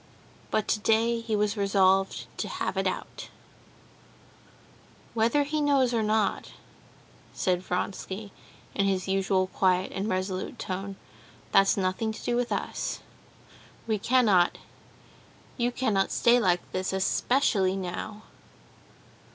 But today he was resolved to have it out. "Whether he knows or not," said Vronsky, in his usual quiet and resolute tone, "that's nothing to do with us. We cannot ... you cannot stay like this, especially now."